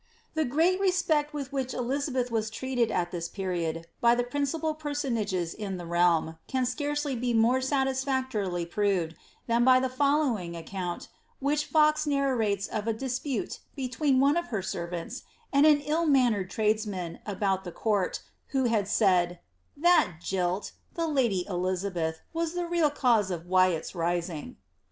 The great respect with which Elizabeth was treated at this period, bjr the principal personages in the realm, can scarcely be more satisfactorily proved, than by the K>llowing account, which Fox narrates of a dispute between one of her senrants, and an ill mannered tradesman about the court, who had said, ^ that jilt, the lady Elizabeth, was the real cause of Wyat's rising.'